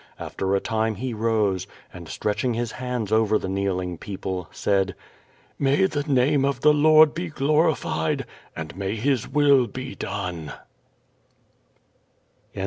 After a time he rose, and, stretching his hands over the kneeling people, said: "^lay the name of the Lord be glorified and may His will be done!"